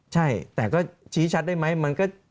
ใช่แต่ก็ชี้ชัดได้ไหมมันก็